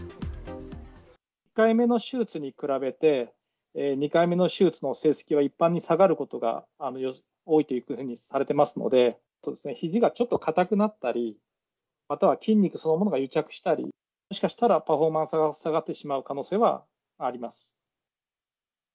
１回目の手術に比べて、２回目の手術の成績は一般に下がることが多いというふうにされてますので、ひじがちょっと硬くなったり、または筋肉そのものが癒着したり、もしかしたらパフォーマンスが下がってしまう可能性はあります。